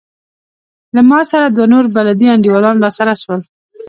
له ما سره دوه نور بلدي انډيوالان راسره سول.